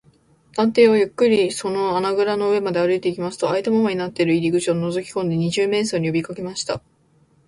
探偵はゆっくりその穴ぐらの上まで歩いていきますと、あいたままになっている入り口をのぞきこんで、二十面相によびかけました。